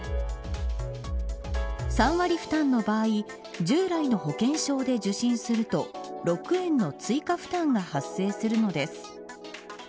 ３割負担の場合従来の保険証で受診すると６円の追加負担が発生するのです。